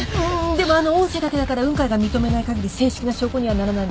でもあの音声だけだから雲海が認めない限り正式な証拠にはならないのよ。